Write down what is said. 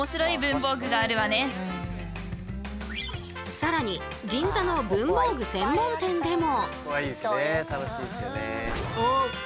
さらに銀座の文房具専門店でも。